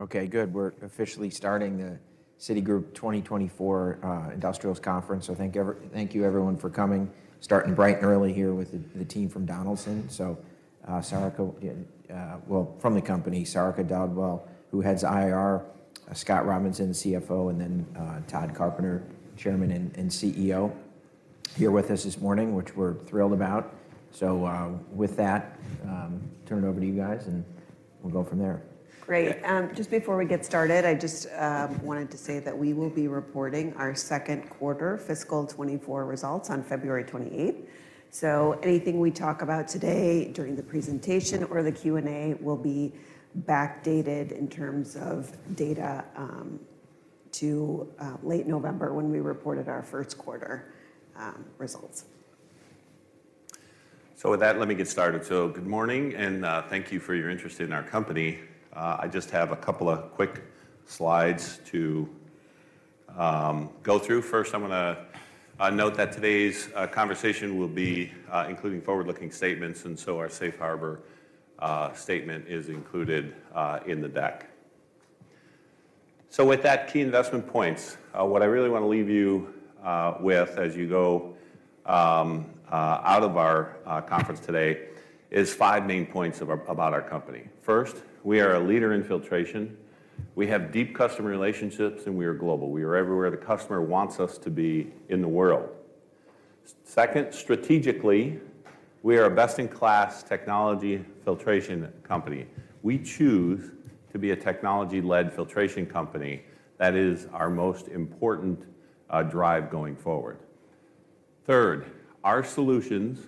Okay, good. We're officially starting the Citi 2024 Industrials Conference, so thank you everyone for coming. Starting bright and early here with the team from Donaldson. So Sarika, well, from the company, Sarika Dhadwal, who heads IR, Scott Robinson, CFO, and then Tod Carpenter, Chairman and CEO, here with us this morning, which we're thrilled about. So with that, turn it over to you guys and we'll go from there. Great. Just before we get started, I just wanted to say that we will be reporting our Q2 fiscal 2024 results on February 28th. Anything we talk about today during the presentation or the Q&A will be backdated in terms of data to late November when we reported our Q1 results. So with that, let me get started. So good morning and thank you for your interest in our company. I just have a couple of quick slides to go through. First, I want to note that today's conversation will be including forward-looking statements, and so our Safe Harbor statement is included in the deck. So with that, key investment points. What I really want to leave you with as you go out of our conference today is five main points about our company. First, we are a leader in filtration. We have deep customer relationships and we are global. We are everywhere the customer wants us to be in the world. Second, strategically, we are a best-in-class technology filtration company. We choose to be a technology-led filtration company. That is our most important drive going forward. Third, our solutions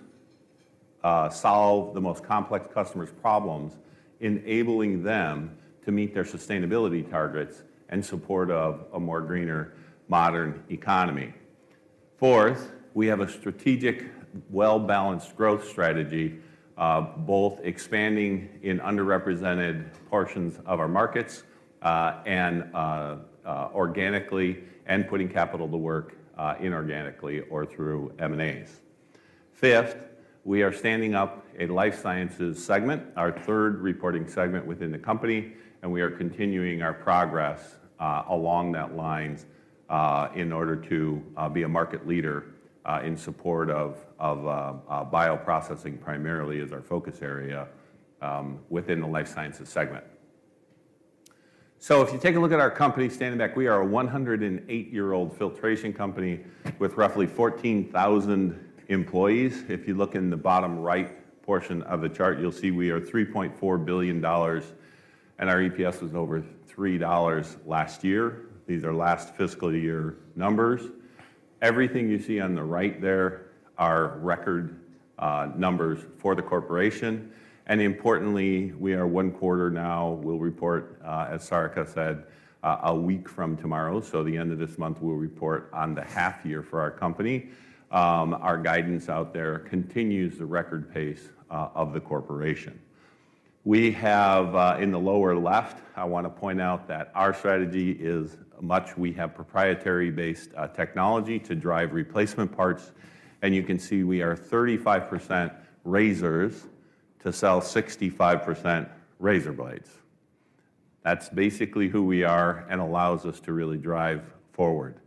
solve the most complex customers' problems, enabling them to meet their sustainability targets in support of a more greener, modern economy. Fourth, we have a strategic, well-balanced growth strategy, both expanding in underrepresented portions of our markets and organically and putting capital to work inorganically or through M&As. Fifth, we are standing up a life sciences segment, our third reporting segment within the company, and we are continuing our progress along those lines in order to be a market leader in support of bioprocessing primarily as our focus area within the life sciences segment. So if you take a look at our company standing back, we are a 108-year-old filtration company with roughly 14,000 employees. If you look in the bottom right portion of the chart, you'll see we are $3.4 billion and our EPS was over $3 last year. These are last fiscal year numbers. Everything you see on the right there are record numbers for the corporation. Importantly, we are one quarter now. We'll report, as Sarika said, a week from tomorrow. So the end of this month, we'll report on the half year for our company. Our guidance out there continues the record pace of the corporation. We have in the lower left, I want to point out that our strategy is we have proprietary-based technology to drive replacement parts. And you can see we are 35% razors, 65% razor blades. That's basically who we are and allows us to really drive forward.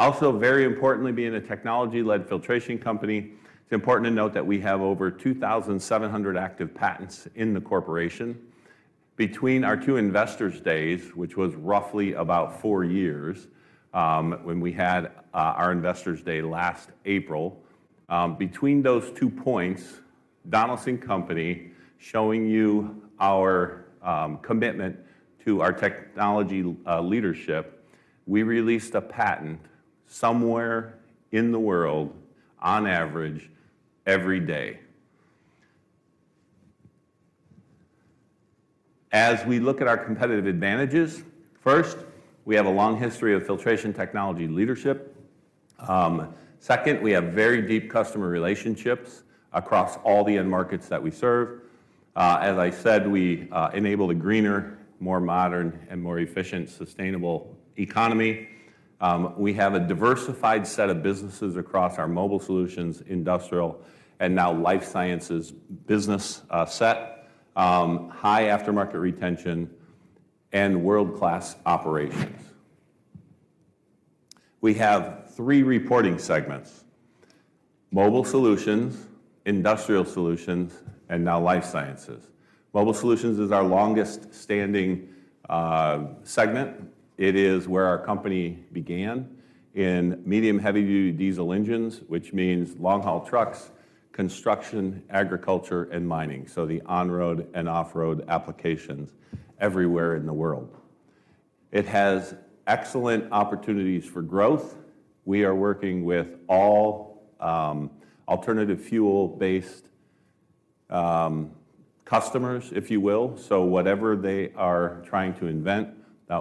Also, very importantly, being a technology-led filtration company, it's important to note that we have over 2,700 active patents in the corporation. Between our two investors' days, which was roughly about four years when we had our investors' day last April, between those two points, Donaldson Company, showing you our commitment to our technology leadership, we released a patent somewhere in the world on average every day. As we look at our competitive advantages, first, we have a long history of filtration technology leadership. Second, we have very deep customer relationships across all the end markets that we serve. As I said, we enable the greener, more modern, and more efficient sustainable economy. We have a diversified set of businesses across our mobile solutions, industrial, and now life sciences business set, high aftermarket retention, and world-class operations. We have three reporting segments: mobile solutions, industrial solutions, and now life sciences. Mobile solutions is our longest-standing segment. It is where our company began in medium-heavy-duty diesel engines, which means long-haul trucks, construction, agriculture, and mining. So the on-road and off-road applications everywhere in the world. It has excellent opportunities for growth. We are working with all alternative fuel-based customers, if you will. So whatever they are trying to invent,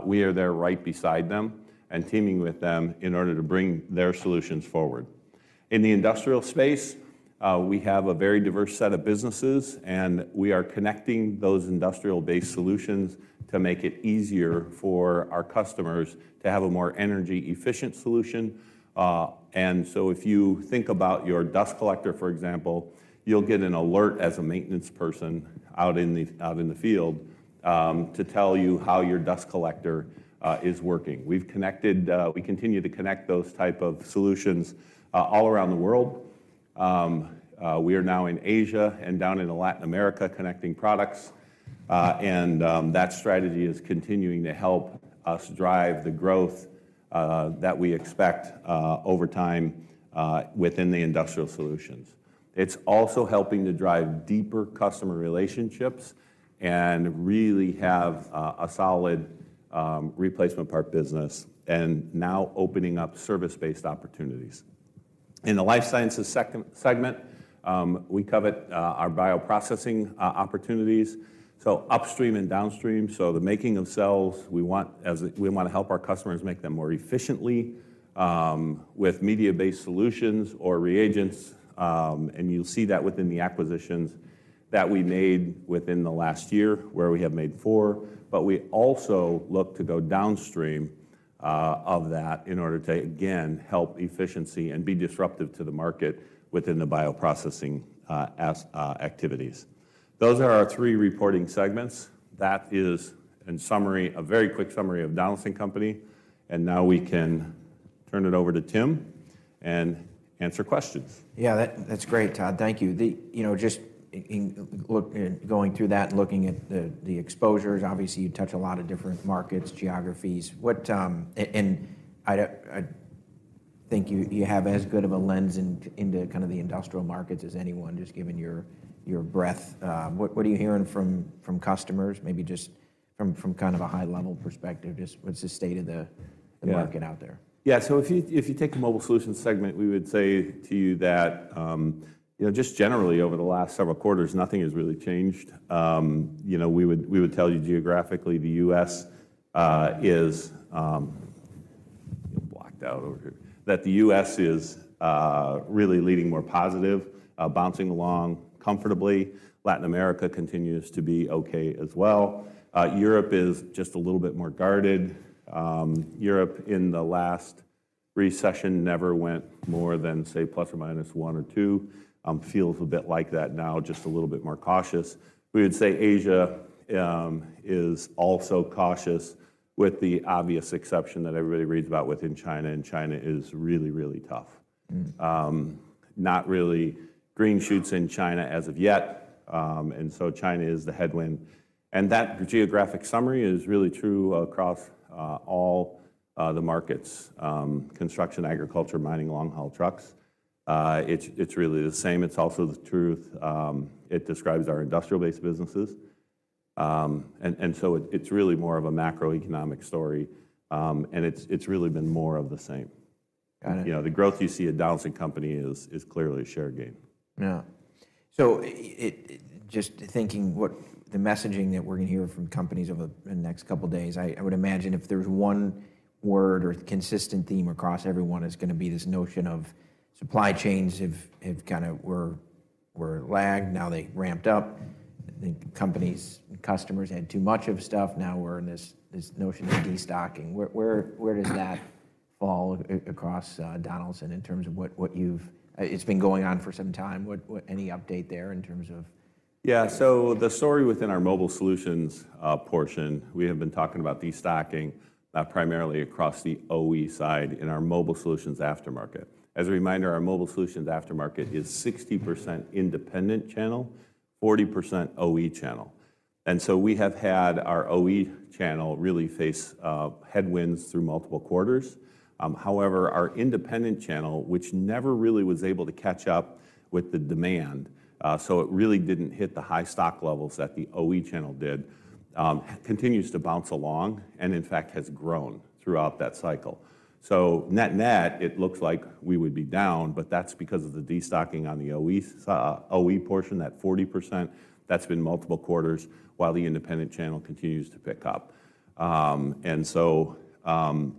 we are there right beside them and teaming with them in order to bring their solutions forward. In the industrial space, we have a very diverse set of businesses and we are connecting those industrial-based solutions to make it easier for our customers to have a more energy-efficient solution. And so if you think about your dust collector, for example, you'll get an alert as a maintenance person out in the field to tell you how your dust collector is working. We continue to connect those type of solutions all around the world. We are now in Asia and down in Latin America connecting products. That strategy is continuing to help us drive the growth that we expect over time within the Industrial Solutions. It's also helping to drive deeper customer relationships and really have a solid replacement part business and now opening up service-based opportunities. In the Life Sciences segment, we covet our bioprocessing opportunities. So upstream and downstream. So the making of cells, we want to help our customers make them more efficiently with media-based solutions or reagents. And you'll see that within the acquisitions that we made within the last year where we have made four. But we also look to go downstream of that in order to, again, help efficiency and be disruptive to the market within the bioprocessing activities. Those are our three reporting segments. That is, in summary, a very quick summary of Donaldson Company. Now we can turn it over to Tim and answer questions. Yeah, that's great, Tod. Thank you. Just going through that and looking at the exposures, obviously you touch a lot of different markets, geographies. And I think you have as good of a lens into kind of the industrial markets as anyone, just given your breadth. What are you hearing from customers? Maybe just from kind of a high-level perspective, just what's the state of the market out there? Yeah. So if you take the mobile solutions segment, we would say to you that just generally over the last several quarters, nothing has really changed. We would tell you geographically the U.S. is blocked out over here. That the U.S. is really leading more positive, bouncing along comfortably. Latin America continues to be okay as well. Europe is just a little bit more guarded. Europe in the last recession never went more than, say, plus or minus one or two. Feels a bit like that now, just a little bit more cautious. We would say Asia is also cautious with the obvious exception that everybody reads about within China. And China is really, really tough. Not really green shoots in China as of yet. And so China is the headwind. And that geographic summary is really true across all the markets: construction, agriculture, mining, long-haul trucks. It's really the same. It's also the truth. It describes our industrial-based businesses. It's really more of a macroeconomic story. It's really been more of the same. The growth you see at Donaldson Company is clearly a share gain. Yeah. So just thinking what the messaging that we're going to hear from companies over the next couple of days, I would imagine if there was one word or consistent theme across everyone, it's going to be this notion of supply chains have kind of lagged. Now they ramped up. Companies, customers had too much of stuff. Now we're in this notion of destocking. Where does that fall across Donaldson in terms of what you've it's been going on for some time. Any update there in terms of? Yeah. So the story within our mobile solutions portion, we have been talking about destocking primarily across the OE side in our mobile solutions aftermarket. As a reminder, our mobile solutions aftermarket is 60% independent channel, 40% OE channel. And so we have had our OE channel really face headwinds through multiple quarters. However, our independent channel, which never really was able to catch up with the demand, so it really didn't hit the high stock levels that the OE channel did, continues to bounce along and in fact has grown throughout that cycle. So net-net, it looks like we would be down, but that's because of the destocking on the OE portion, that 40%. That's been multiple quarters while the independent channel continues to pick up. And so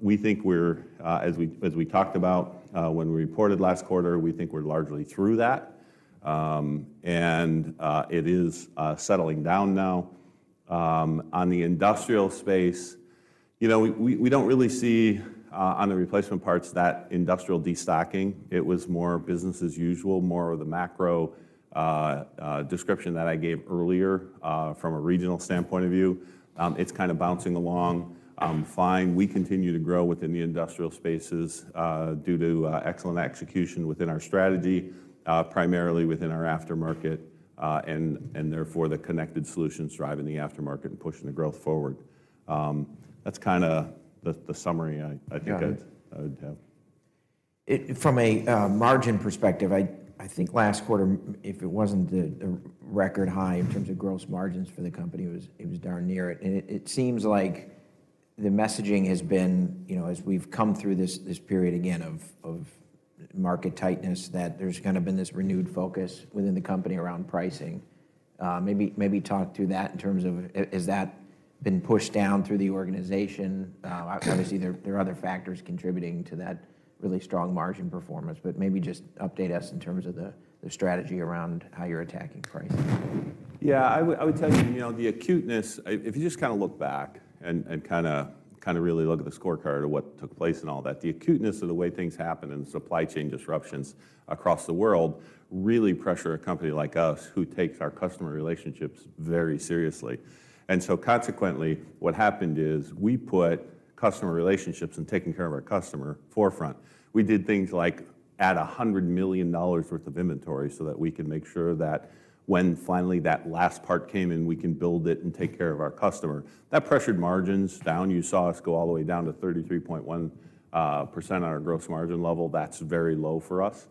we think we're, as we talked about when we reported last quarter, we think we're largely through that. And it is settling down now. On the industrial space, we don't really see on the replacement parts that industrial destocking. It was more business as usual, more of the macro description that I gave earlier from a regional standpoint of view. It's kind of bouncing along fine. We continue to grow within the industrial spaces due to excellent execution within our strategy, primarily within our aftermarket, and therefore the connected solutions driving the aftermarket and pushing the growth forward. That's kind of the summary I think I would have. From a margin perspective, I think last quarter, if it wasn't the record high in terms of gross margins for the company, it was darn near it. It seems like the messaging has been, as we've come through this period again of market tightness, that there's kind of been this renewed focus within the company around pricing. Maybe talk through that in terms of has that been pushed down through the organization? Obviously, there are other factors contributing to that really strong margin performance. Maybe just update us in terms of the strategy around how you're attacking pricing. Yeah. I would tell you the acuteness, if you just kind of look back and kind of really look at the scorecard of what took place and all that, the acuteness of the way things happen and the supply chain disruptions across the world really pressure a company like us who takes our customer relationships very seriously. So consequently, what happened is we put customer relationships and taking care of our customer forefront. We did things like add $100 million worth of inventory so that we can make sure that when finally that last part came in, we can build it and take care of our customer. That pressured margins down. You saw us go all the way down to 33.1% on our gross margin level. That's very low for us.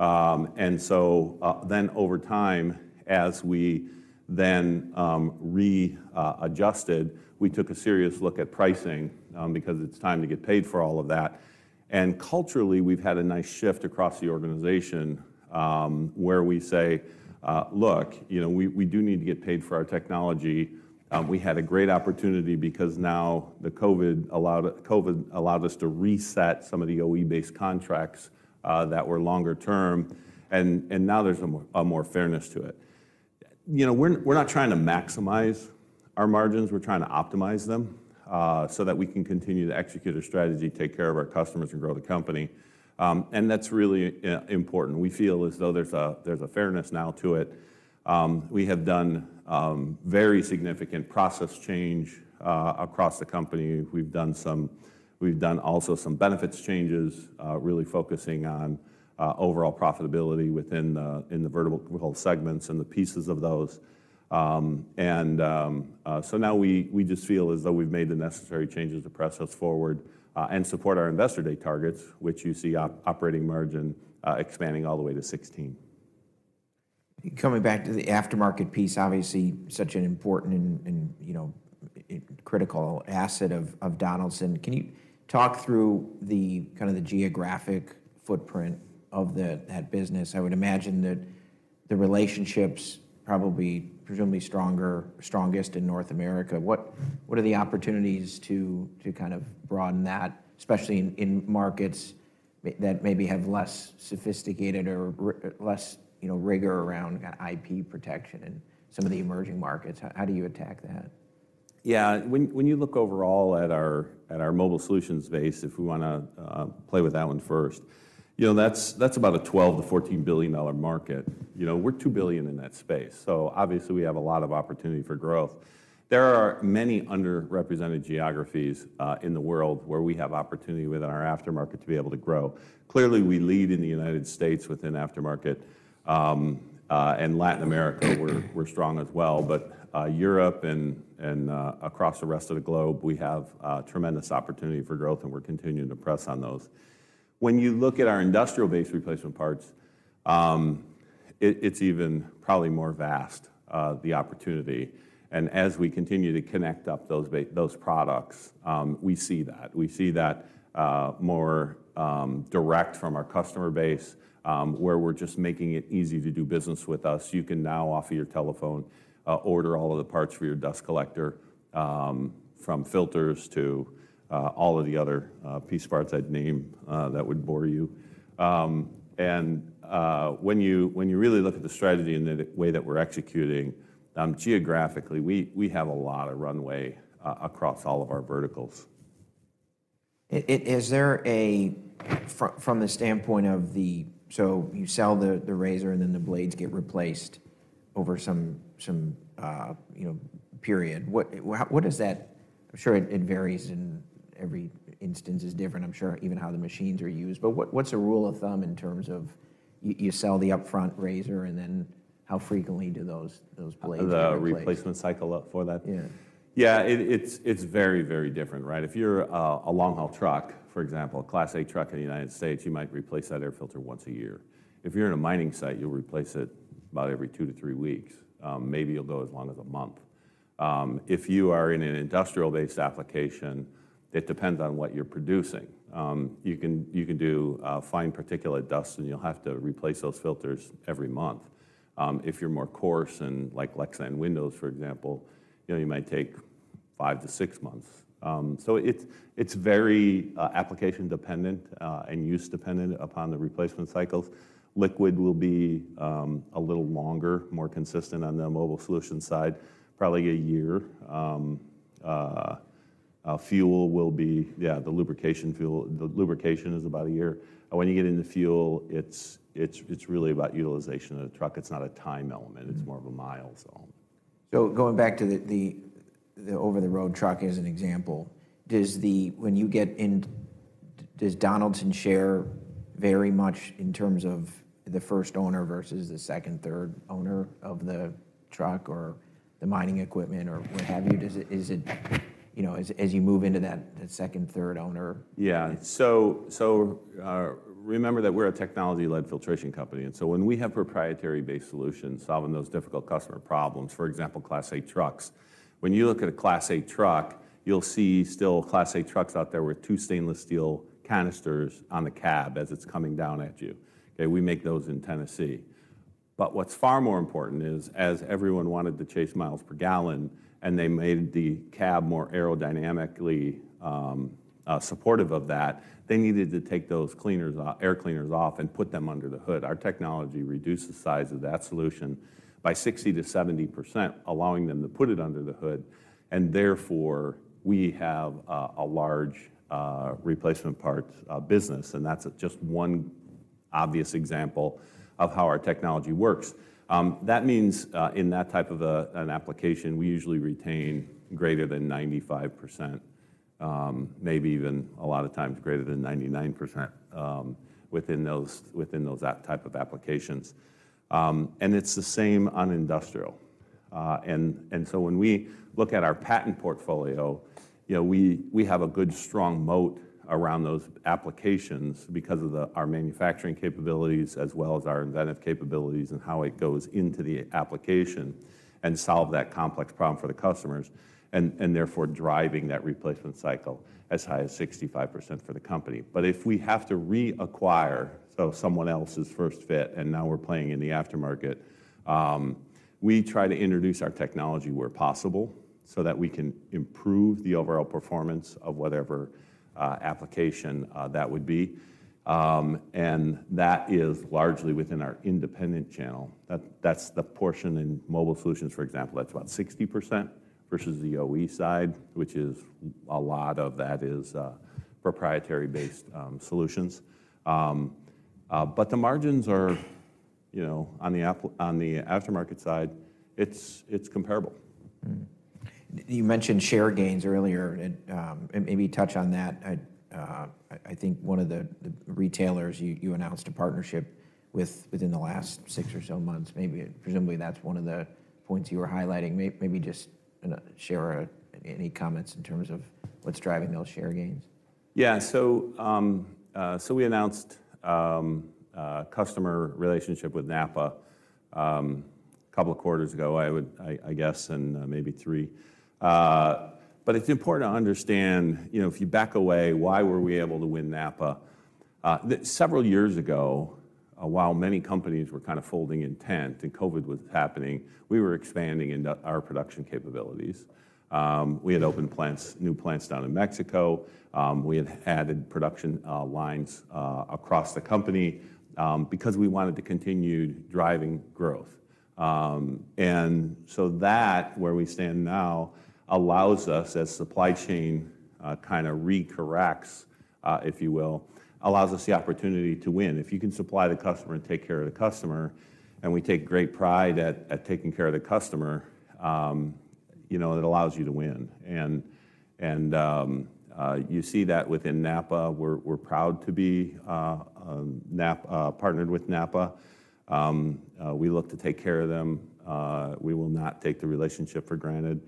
And so then over time, as we then readjusted, we took a serious look at pricing because it's time to get paid for all of that. Culturally, we've had a nice shift across the organization where we say, look, we do need to get paid for our technology. We had a great opportunity because now the COVID allowed us to reset some of the OE-based contracts that were longer term. Now there's a more fairness to it. We're not trying to maximize our margins. We're trying to optimize them so that we can continue to execute our strategy, take care of our customers, and grow the company. That's really important. We feel as though there's a fairness now to it. We have done very significant process change across the company. We've done also some benefits changes, really focusing on overall profitability within the vertical segments and the pieces of those. And so now we just feel as though we've made the necessary changes to press us forward and support our investor day targets, which you see operating margin expanding all the way to 16%. Coming back to the aftermarket piece, obviously such an important and critical asset of Donaldson. Can you talk through kind of the geographic footprint of that business? I would imagine that the relationships probably presumably strongest in North America. What are the opportunities to kind of broaden that, especially in markets that maybe have less sophisticated or less rigor around kind of IP protection in some of the emerging markets? How do you attack that? Yeah. When you look overall at our mobile solutions base, if we want to play with that one first, that's about a $12-14 billion market. We're $2 billion in that space. So obviously, we have a lot of opportunity for growth. There are many underrepresented geographies in the world where we have opportunity within our aftermarket to be able to grow. Clearly, we lead in the United States within aftermarket. And Latin America, we're strong as well. But Europe and across the rest of the globe, we have tremendous opportunity for growth and we're continuing to press on those. When you look at our industrial-based replacement parts, it's even probably more vast, the opportunity. And as we continue to connect up those products, we see that. We see that more direct from our customer base where we're just making it easy to do business with us. You can now, off of your telephone, order all of the parts for your dust collector, from filters to all of the other piece parts I'd name that would bore you. When you really look at the strategy and the way that we're executing, geographically, we have a lot of runway across all of our verticals. Is there a, from the standpoint of the, so you sell the razor and then the blades get replaced over some period. What does that, I'm sure it varies and every instance is different, I'm sure, even how the machines are used. But what's a rule of thumb in terms of you sell the upfront razor and then how frequently do those blades get replaced? The replacement cycle for that? Yeah. Yeah. It's very, very different, right? If you're a long-haul truck, for example, a Class 8 truck in the United States, you might replace that air filter once a year. If you're in a mining site, you'll replace it about every 2-3 weeks. Maybe you'll go as long as a month. If you are in an industrial-based application, it depends on what you're producing. You can do fine particulate dust and you'll have to replace those filters every month. If you're more coarse and like Lexan windows, for example, you might take 5-6 months. So it's very application-dependent and use-dependent upon the replacement cycles. Liquid will be a little longer, more consistent on the mobile solution side, probably a year. Fuel will be, yeah, the lubrication fuel. The lubrication is about a year. When you get into fuel, it's really about utilization of the truck. It's not a time element. It's more of a mile zone. Going back to the over-the-road truck as an example, when you get in, does Donaldson share very much in terms of the first owner versus the second, third owner of the truck or the mining equipment or what have you? Is it, as you move into that second, third owner? Yeah. So remember that we're a technology-led filtration company. And so when we have proprietary-based solutions solving those difficult customer problems, for example, Class 8 trucks, when you look at a Class 8 truck, you'll see still Class 8 trucks out there with 2 stainless steel canisters on the cab as it's coming down at you. We make those in Tennessee. But what's far more important is, as everyone wanted to chase miles per gallon and they made the cab more aerodynamically supportive of that, they needed to take those air cleaners off and put them under the hood. Our technology reduces the size of that solution by 60%-70%, allowing them to put it under the hood. And therefore, we have a large replacement parts business. And that's just one obvious example of how our technology works. That means in that type of an application, we usually retain greater than 95%, maybe even a lot of times greater than 99% within those type of applications. And it's the same on industrial. And so when we look at our patent portfolio, we have a good strong moat around those applications because of our manufacturing capabilities as well as our inventive capabilities and how it goes into the application and solve that complex problem for the customers and therefore driving that replacement cycle as high as 65% for the company. But if we have to reacquire, so someone else's first fit and now we're playing in the aftermarket, we try to introduce our technology where possible so that we can improve the overall performance of whatever application that would be. And that is largely within our independent channel. That's the portion in mobile solutions, for example. That's about 60% versus the OE side, which is a lot of that is proprietary-based solutions. But the margins are on the aftermarket side, it's comparable. You mentioned share gains earlier. Maybe touch on that. I think one of the retailers you announced a partnership with within the last six or so months. Maybe presumably that's one of the points you were highlighting. Maybe just share any comments in terms of what's driving those share gains. Yeah. So we announced a customer relationship with NAPA a couple of quarters ago, I guess, and maybe three. But it's important to understand if you back away, why were we able to win NAPA? Several years ago, while many companies were kind of folding in tent and COVID was happening, we were expanding our production capabilities. We had opened new plants down in Mexico. We had added production lines across the company because we wanted to continue driving growth. And so that, where we stand now, allows us, as supply chain kind of recorrects, if you will, allows us the opportunity to win. If you can supply the customer and take care of the customer, and we take great pride at taking care of the customer, it allows you to win. And you see that within NAPA. We're proud to be partnered with NAPA. We look to take care of them. We will not take the relationship for granted.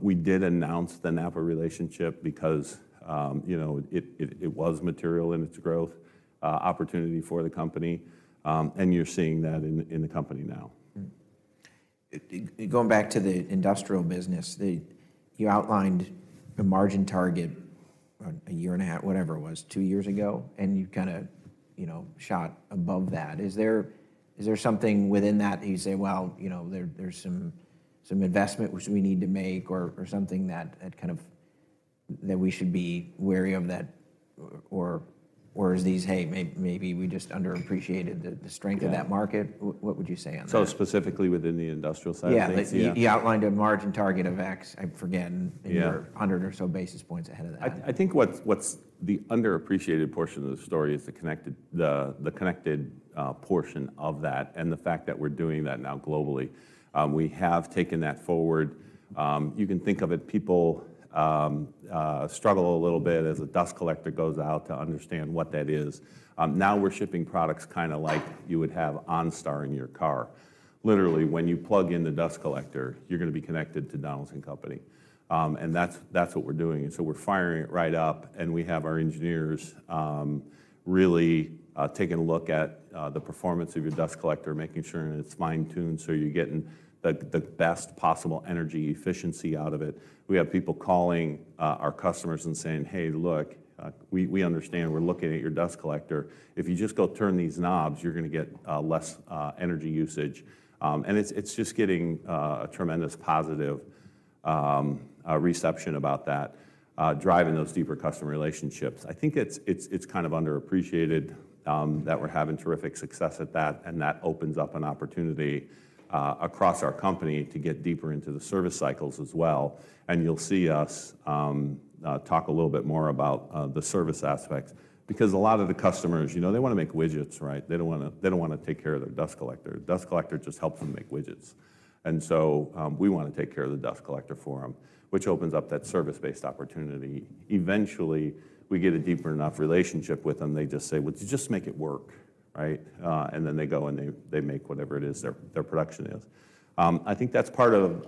We did announce the NAPA relationship because it was material in its growth, opportunity for the company. And you're seeing that in the company now. Going back to the industrial business, you outlined a margin target a year and a half, whatever it was, two years ago, and you kind of shot above that. Is there something within that you say, well, there's some investment we need to make or something that kind of that we should be wary of that, or is these, hey, maybe we just underappreciated the strength of that market? What would you say on that? So specifically within the industrial side of things? Yeah. You outlined a margin target of X, I forget, in your 100 or so basis points ahead of that. I think what's the underappreciated portion of the story is the connected portion of that and the fact that we're doing that now globally. We have taken that forward. You can think of it, people struggle a little bit as a dust collector goes out to understand what that is. Now we're shipping products kind of like you would have OnStar in your car. Literally, when you plug in the dust collector, you're going to be connected to Donaldson Company. And that's what we're doing. And so we're firing it right up. And we have our engineers really taking a look at the performance of your dust collector, making sure it's fine-tuned so you're getting the best possible energy efficiency out of it. We have people calling our customers and saying, hey, look, we understand we're looking at your dust collector. If you just go turn these knobs, you're going to get less energy usage. It's just getting a tremendous positive reception about that, driving those deeper customer relationships. I think it's kind of underappreciated that we're having terrific success at that. That opens up an opportunity across our company to get deeper into the service cycles as well. You'll see us talk a little bit more about the service aspects because a lot of the customers, they want to make widgets, right? They don't want to take care of their dust collector. Dust collector just helps them make widgets. So we want to take care of the dust collector for them, which opens up that service-based opportunity. Eventually, we get a deep enough relationship with them, they just say, well, just make it work, right? Then they go and they make whatever it is their production is. I think that's part of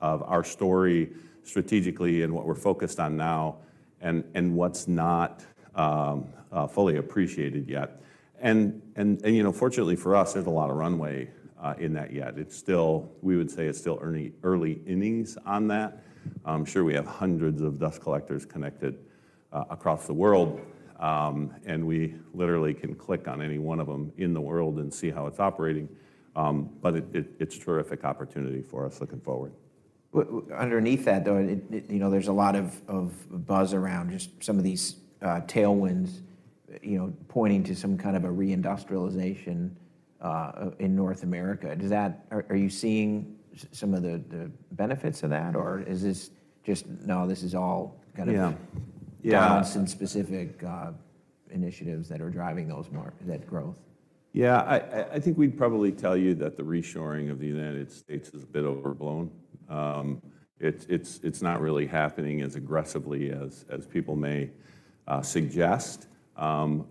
our story strategically and what we're focused on now and what's not fully appreciated yet. Fortunately for us, there's a lot of runway in that yet. We would say it's still early innings on that. I'm sure we have hundreds of dust collectors connected across the world. We literally can click on any one of them in the world and see how it's operating. It's a terrific opportunity for us looking forward. Underneath that, though, there's a lot of buzz around just some of these tailwinds pointing to some kind of a reindustrialization in North America. Are you seeing some of the benefits of that, or is this just, no, this is all kind of Donaldson-specific initiatives that are driving that growth? Yeah. I think we'd probably tell you that the reshoring of the United States is a bit overblown. It's not really happening as aggressively as people may suggest.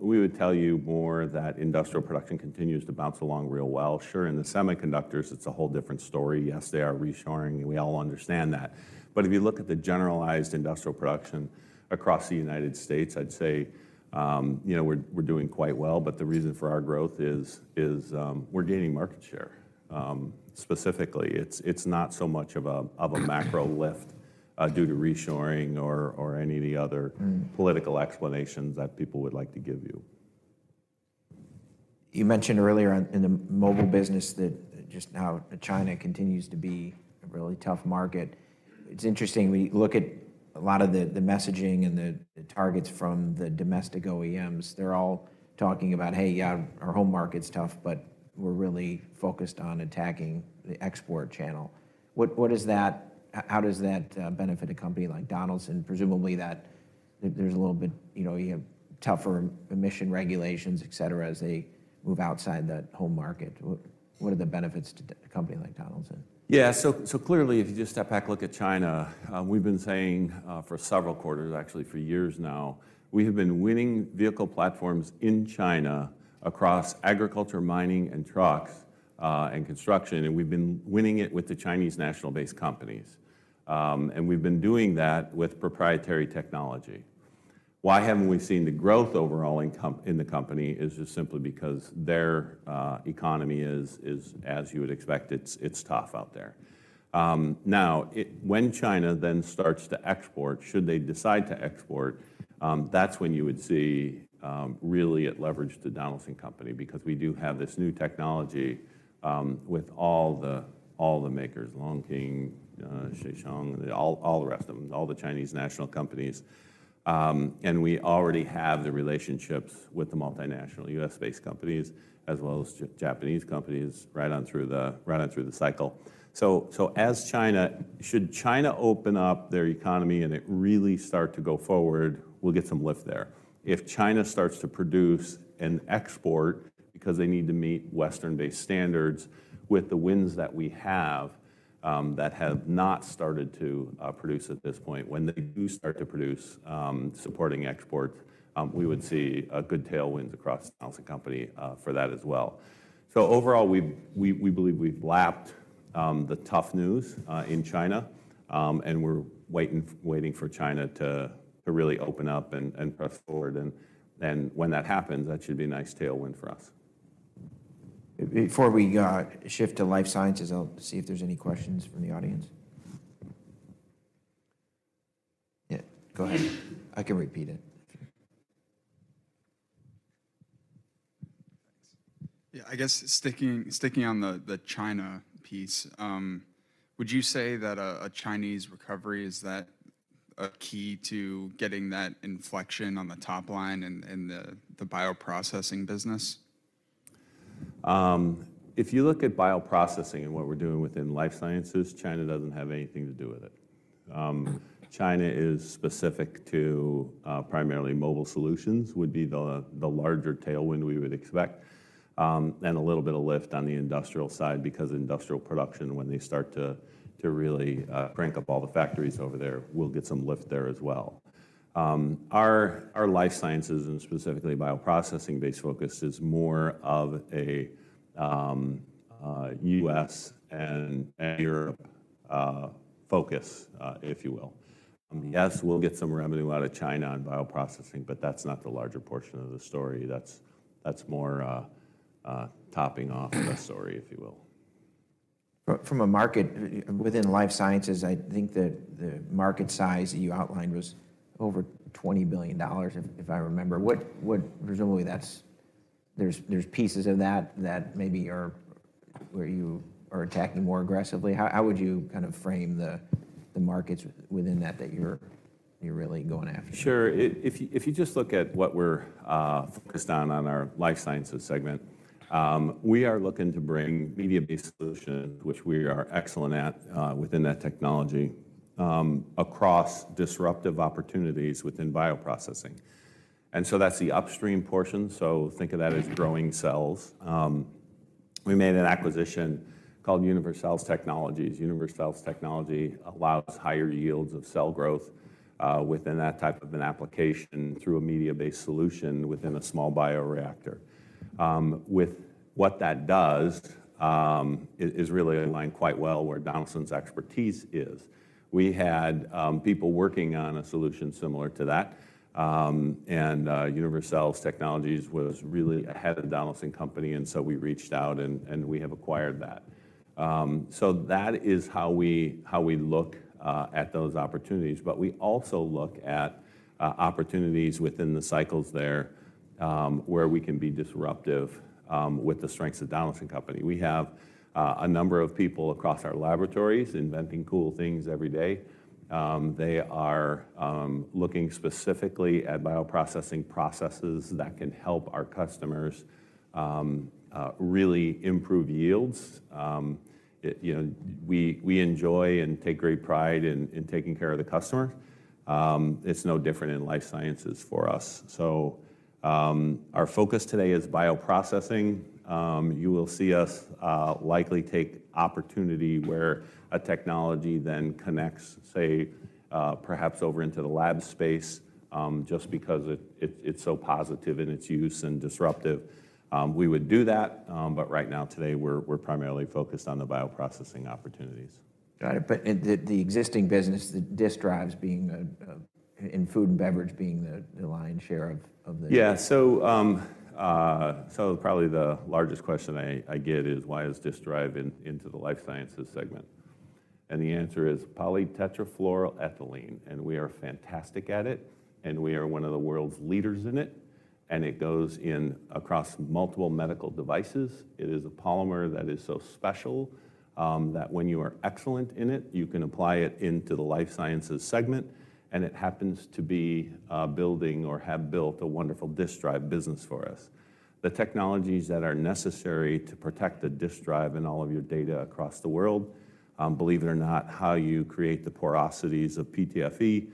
We would tell you more that industrial production continues to bounce along real well. Sure, in the semiconductors, it's a whole different story. Yes, they are reshoring. We all understand that. But if you look at the generalized industrial production across the United States, I'd say we're doing quite well. But the reason for our growth is we're gaining market share specifically. It's not so much of a macro lift due to reshoring or any of the other political explanations that people would like to give you. You mentioned earlier in the mobile business that just now China continues to be a really tough market. It's interesting. We look at a lot of the messaging and the targets from the domestic OEMs. They're all talking about, hey, yeah, our home market's tough, but we're really focused on attacking the export channel. What is that? How does that benefit a company like Donaldson? Presumably that there's a little bit, you have tougher emission regulations, et cetera, as they move outside that home market. What are the benefits to a company like Donaldson? Yeah. So clearly, if you just step back, look at China, we've been saying for several quarters, actually for years now, we have been winning vehicle platforms in China across agriculture, mining, and trucks and construction. And we've been winning it with the Chinese national-based companies. And we've been doing that with proprietary technology. Why haven't we seen the growth overall in the company is just simply because their economy is, as you would expect, it's tough out there. Now, when China then starts to export, should they decide to export, that's when you would see really it leverage the Donaldson Company because we do have this new technology with all the makers, Lonking, Shaanxi, all the rest of them, all the Chinese national companies. And we already have the relationships with the multinational U.S.-based companies as well as Japanese companies right on through the cycle. So, as China should China open up their economy and it really start to go forward, we'll get some lift there. If China starts to produce and export because they need to meet Western-based standards with the winds that we have that have not started to produce at this point, when they do start to produce supporting exports, we would see good tailwinds across Donaldson Company for that as well. So overall, we believe we've lapped the tough news in China. And we're waiting for China to really open up and press forward. And when that happens, that should be a nice tailwind for us. Before we shift to life sciences, I'll see if there's any questions from the audience. Yeah. Go ahead. I can repeat it. Yeah. I guess sticking on the China piece, would you say that a Chinese recovery is a key to getting that inflection on the top line in the bioprocessing business? If you look at bioprocessing and what we're doing within life sciences, China doesn't have anything to do with it. China is specific to primarily mobile solutions would be the larger tailwind we would expect and a little bit of lift on the industrial side because industrial production, when they start to really crank up all the factories over there, we'll get some lift there as well. Our life sciences and specifically bioprocessing-based focus is more of a U.S. and Europe focus, if you will. Yes, we'll get some revenue out of China on bioprocessing, but that's not the larger portion of the story. That's more topping off the story, if you will. From a market within life sciences, I think that the market size that you outlined was over $20 billion, if I remember. Presumably, there's pieces of that that maybe are where you are attacking more aggressively. How would you kind of frame the markets within that that you're really going after? Sure. If you just look at what we're focused on, on our Life Sciences segment, we are looking to bring media-based solutions, which we are excellent at within that technology, across disruptive opportunities within bioprocessing. And so that's the upstream portion. So think of that as growing cells. We made an acquisition called Univercells Technologies. Univercells Technologies allows higher yields of cell growth within that type of an application through a media-based solution within a small bioreactor. With what that does is really aligned quite well where Donaldson's expertise is. We had people working on a solution similar to that. And Univercells Technologies was really ahead of Donaldson Company. And so we reached out and we have acquired that. So that is how we look at those opportunities. But we also look at opportunities within the cycles there where we can be disruptive with the strengths of Donaldson Company. We have a number of people across our laboratories inventing cool things every day. They are looking specifically at bioprocessing processes that can help our customers really improve yields. We enjoy and take great pride in taking care of the customers. It's no different in life sciences for us. So our focus today is bioprocessing. You will see us likely take opportunity where a technology then connects, say, perhaps over into the lab space just because it's so positive in its use and disruptive. We would do that. But right now, today, we're primarily focused on the bioprocessing opportunities. Got it. But the existing business, the disk drives being in food and beverage being the lion's share of the? Yeah. So probably the largest question I get is, why is disk drive into the life sciences segment? And the answer is polytetrafluoroethylene. And we are fantastic at it. And we are one of the world's leaders in it. And it goes across multiple medical devices. It is a polymer that is so special that when you are excellent in it, you can apply it into the life sciences segment. And it happens to be building or have built a wonderful disk drive business for us. The technologies that are necessary to protect the disk drive and all of your data across the world, believe it or not, how you create the porosities of PTFE,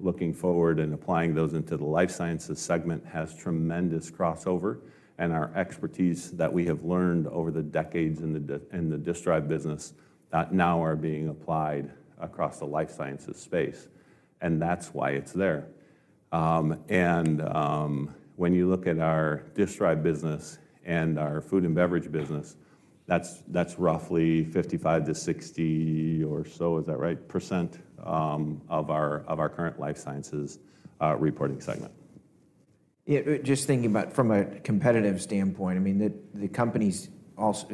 looking forward and applying those into the life sciences segment has tremendous crossover. Our expertise that we have learned over the decades in the Disk Drive business now are being applied across the life sciences space. That's why it's there. When you look at our Disk Drive business and our food and beverage business, that's roughly 55%-60% or so, is that right, of our current life sciences reporting segment. Just thinking about from a competitive standpoint, I mean, the companies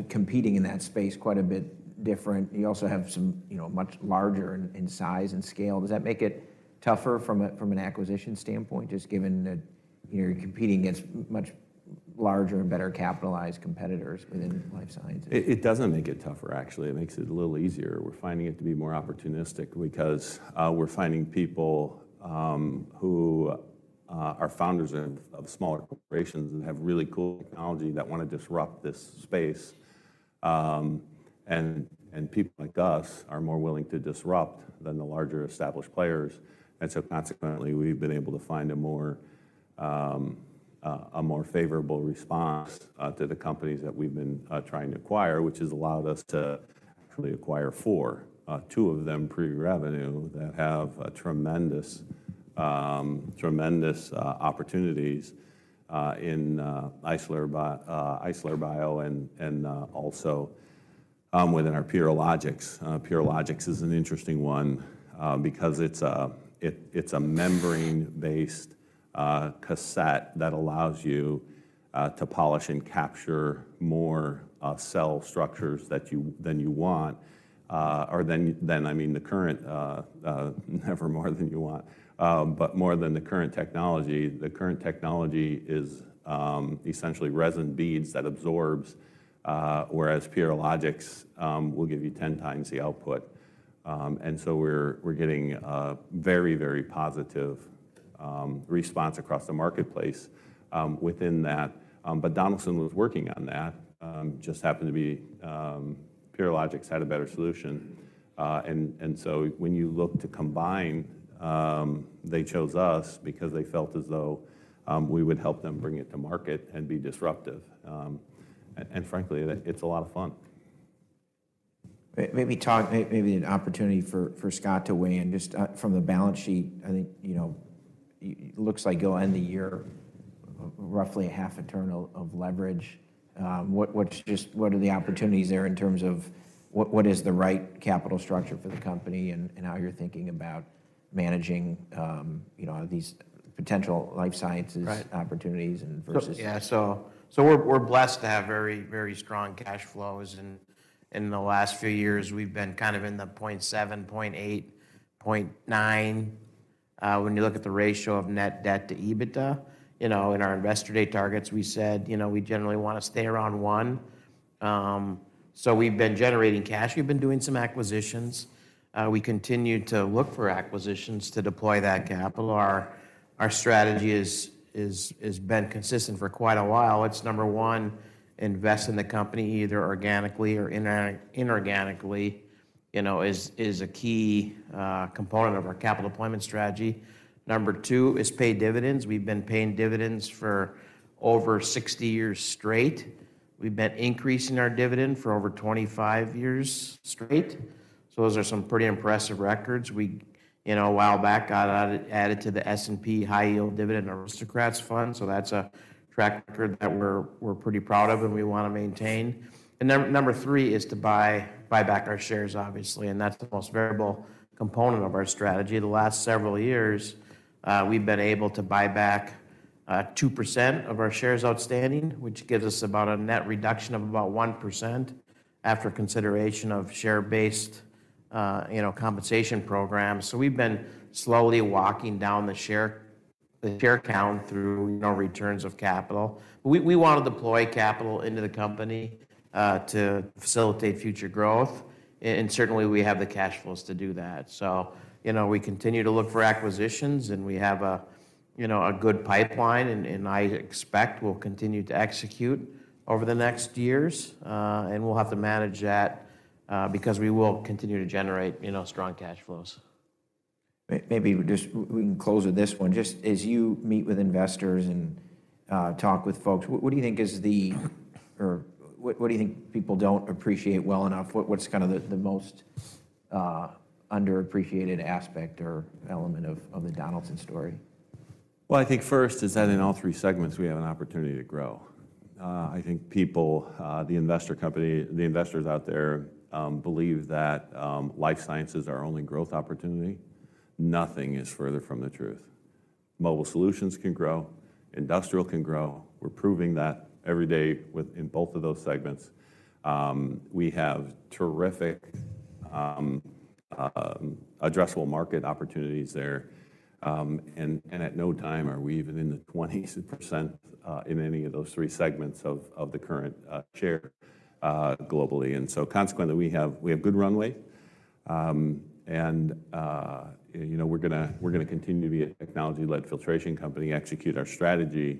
competing in that space quite a bit different. You also have some much larger in size and scale. Does that make it tougher from an acquisition standpoint just given that you're competing against much larger and better capitalized competitors within life sciences? It doesn't make it tougher, actually. It makes it a little easier. We're finding it to be more opportunistic because we're finding people who are founders of smaller corporations that have really cool technology that want to disrupt this space. And people like us are more willing to disrupt than the larger established players. And so consequently, we've been able to find a more favorable response to the companies that we've been trying to acquire, which has allowed us to actually acquire 4, 2 of them pre-revenue that have tremendous opportunities in Isolere Bio and also within our Purilogics. Purilogics is an interesting one because it's a membrane-based cassette that allows you to polish and capture more cell structures than you want. Or then, I mean, the current, never more than you want. But more than the current technology, the current technology is essentially resin beads that absorbs, whereas Purilogics will give you 10 times the output. And so we're getting a very, very positive response across the marketplace within that. But Donaldson was working on that. Just happened to be Purilogics had a better solution. And so when you look to combine, they chose us because they felt as though we would help them bring it to market and be disruptive. And frankly, it's a lot of fun. Maybe an opportunity for Scott to weigh in. Just from the balance sheet, I think it looks like you'll end the year roughly a half a turn of leverage. What are the opportunities there in terms of what is the right capital structure for the company and how you're thinking about managing these potential life sciences opportunities versus? Yeah. So we're blessed to have very, very strong cash flows. And in the last few years, we've been kind of in the 0.7, 0.8, 0.9. When you look at the ratio of net debt to EBITDA in our investor day targets, we said we generally want to stay around 1. So we've been generating cash. We've been doing some acquisitions. We continue to look for acquisitions to deploy that capital. Our strategy has been consistent for quite a while. It's, number one, invest in the company either organically or inorganically is a key component of our capital deployment strategy. Number two is pay dividends. We've been paying dividends for over 60 years straight. We've been increasing our dividend for over 25 years straight. So those are some pretty impressive records. We a while back added to the S&P High Yield Dividend Aristocrats Index. That's a track record that we're pretty proud of and we want to maintain. Number three is to buy back our shares, obviously. That's the most variable component of our strategy. The last several years, we've been able to buy back 2% of our shares outstanding, which gives us about a net reduction of about 1% after consideration of share-based compensation programs. We've been slowly walking down the share count through returns of capital. But we want to deploy capital into the company to facilitate future growth. Certainly, we have the cash flows to do that. We continue to look for acquisitions. We have a good pipeline. I expect we'll continue to execute over the next years. We'll have to manage that because we will continue to generate strong cash flows. Maybe we can close with this one. Just as you meet with investors and talk with folks, what do you think people don't appreciate well enough? What's kind of the most underappreciated aspect or element of the Donaldson story? Well, I think first is that in all three segments, we have an opportunity to grow. I think people, the investor company, the investors out there believe that Life Sciences are only growth opportunity. Nothing is further from the truth. Mobile Solutions can grow. Industrial can grow. We're proving that every day in both of those segments. We have terrific addressable market opportunities there. And at no time are we even in the 20% in any of those three segments of the current share globally. And so consequently, we have good runway. And we're going to continue to be a technology-led filtration company, execute our strategy,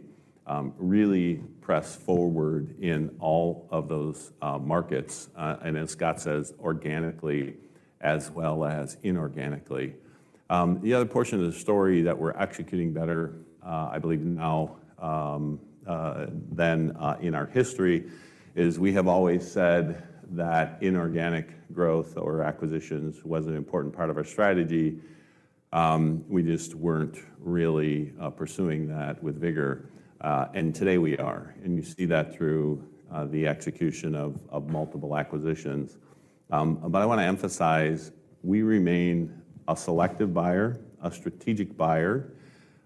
really press forward in all of those markets. And as Scott says, organically as well as inorganically. The other portion of the story that we're executing better, I believe, now than in our history is we have always said that inorganic growth or acquisitions was an important part of our strategy. We just weren't really pursuing that with vigor. Today, we are. You see that through the execution of multiple acquisitions. I want to emphasize, we remain a selective buyer, a strategic buyer,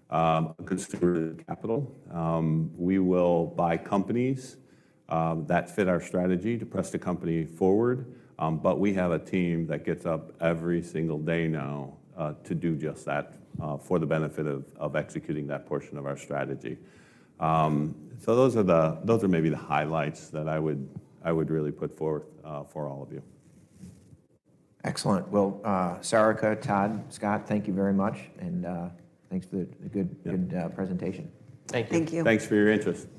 a consumer of capital. We will buy companies that fit our strategy to press the company forward. We have a team that gets up every single day now to do just that for the benefit of executing that portion of our strategy. Those are maybe the highlights that I would really put forth for all of you. Excellent. Well, Sarika, Tod, Scott, thank you very much. Thanks for the good presentation. Thank you. Thank you. Thanks for your interest.